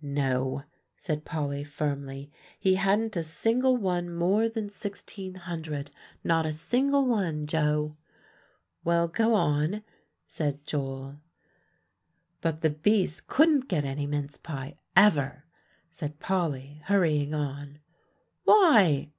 "No," said Polly firmly; "he hadn't a single one more than sixteen hundred, not a single one, Joe." "Well, go on," said Joel. "But the beasts couldn't get any mince pie, ever," said Polly, hurrying on. "Why?"